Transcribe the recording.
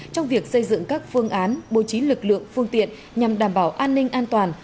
trong việc xây dựng các phương án bố trí lực lượng phương tiện nhằm đảm bảo an ninh an toàn